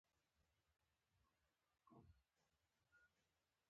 هغه باید غوښتنو ته مو د عمل جامه ور واغوندي